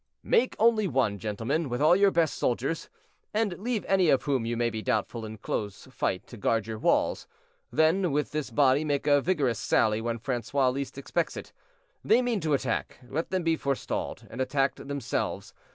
"Make only one, gentlemen, with all your best soldiers, and leave any of whom you may be doubtful in close fight to guard your walls. Then with this body make a vigorous sally when Francois least expects it. They mean to attack; let them be forestalled, and attacked themselves.